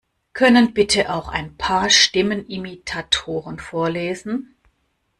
Können bitte auch ein paar Stimmenimitatoren vorlesen?